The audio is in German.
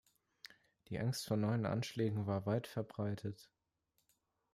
Die Angst vor neuen Anschlägen war weit verbreitet.